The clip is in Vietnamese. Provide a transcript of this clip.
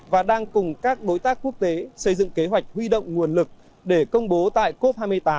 và đang cùng các đối tác quốc tế xây dựng kế hoạch huy động nguồn lực để công bố tại cop hai mươi tám